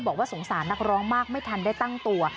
บอกว่าสงสารนักร้องมากไม่ทันได้ตั้งตัว